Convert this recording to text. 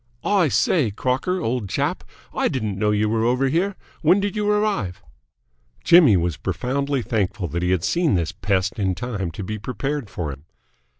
"I say, Crocker, old chap, I didn't know you were over here. When did you arrive?" Jimmy was profoundly thankful that he had seen this pest in time to be prepared for him.